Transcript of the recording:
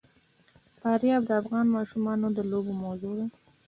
فاریاب د افغان ماشومانو د لوبو موضوع ده.